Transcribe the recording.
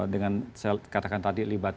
dengan katakan tadi